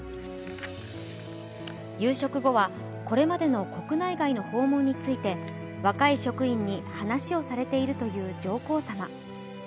夕食後はこれまでの国内外の訪問について若い職員に話をされているという上皇さま。